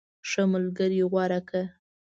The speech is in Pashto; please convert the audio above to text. ښه ملګری غوره کړه.